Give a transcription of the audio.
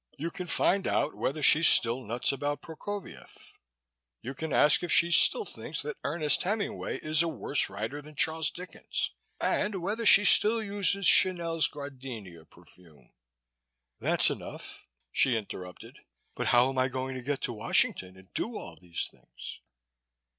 You can find out whether she's still nuts about Prokofiev. You can ask if she still thinks that Ernest Hemingway is a worse writer than Charles Dickens, and whether she still uses Chanel's Gardenia perfume." "That's enough," she interrupted. "But how'm I going to get to Washington and do all these things?"